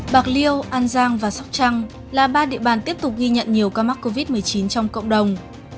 bạc liêu an giang và sóc trăng là ba địa bàn tiếp tục ghi nhận nhiều ca mắc covid một mươi chín trong cộng đồng